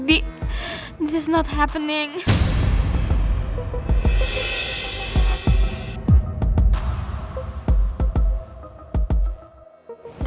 jadi itu hasan jadi minta gue bersikap baik no gue gak sudi